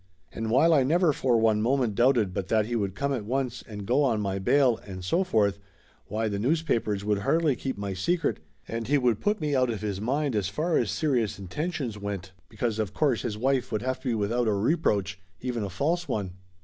And while I never for one moment doubted but that he would come at once and go on my bail, and so forth, why the news papers would hardly keep my secret, and he would put me out of his mind as far as serious intentions went, because of course his wife would have to be without a reproach, even a false one.